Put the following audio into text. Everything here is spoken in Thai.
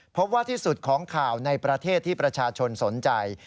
พบว่าที่สุดของข่าวในประเทศที่ประชาชนสนใจ